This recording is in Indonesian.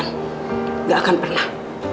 nggak akan pernah